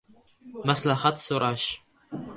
— Maslahat so‘rash.